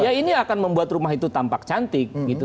ya ini akan membuat rumah itu tampak cantik gitu